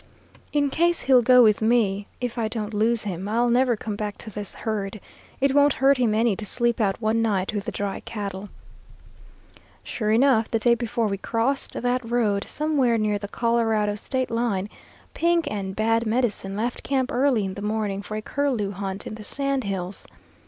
In case he'll go with me, if I don't lose him, I'll never come back to this herd. It won't hurt him any to sleep out one night with the dry cattle.' "Sure enough, the day before we crossed that road, somewhere near the Colorado state line, Pink and Bad Medicine left camp early in the morning for a curlew hunt in the sand hills.